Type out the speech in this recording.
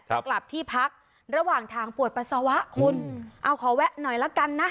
กลับที่พักระหว่างทางปวดปัสสาวะคุณเอาขอแวะหน่อยละกันนะ